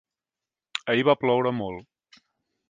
Ahir va ploure molt.